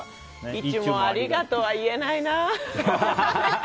いちゅもありがとっ！は言えないな。